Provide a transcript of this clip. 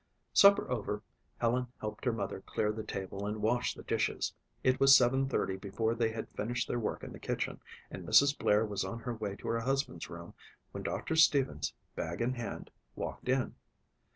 Supper over, Helen helped her mother clear the table and wash the dishes. It was seven thirty before they had finished their work in the kitchen and Mrs. Blair was on her way to her husband's room when Doctor Stevens, bag in hand, walked in.